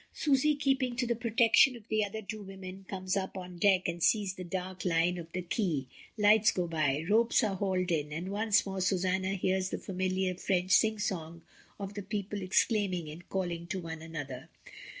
Susy keeping to the THE BLACK SHADOWS. l6l protection of the other two women comes up on deck and sees the dark line of the quai; lights go by, ropes are hauled in, and once more Susanna hears the familiar French sing song of the people exclaiming and calling to one another.